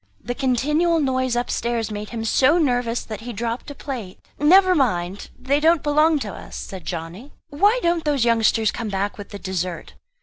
The continual noise upstairs made him so nervous, that he dropped a plate. "Never mind, they don't belong to us," said Johnny. "Why don't those youngsters come back with the dessert?"